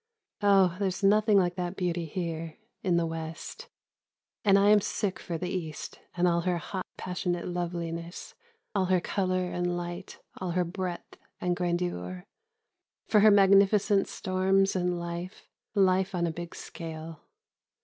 Oh! there's nothing like that beauty here, in the West, and I am sick for the East and all her hot, passionate loveliness; all her colour and light; all her breadth and grandeur; for her magnificent storms and life, life on a big scale.